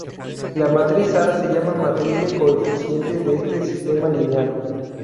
La matriz A se llama matriz de coeficientes de este sistema lineal.